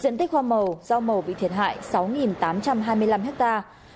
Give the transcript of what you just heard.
diện tích hoa màu rau màu bị thiệt hại sáu tám trăm linh hectare